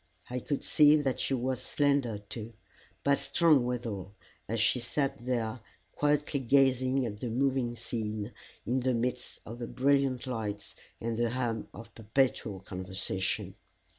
I could see that she was slender too, but strong withal, as she sat there quietly gazing at the moving scene in the midst of the brilliant lights and the hum of perpetual conversation.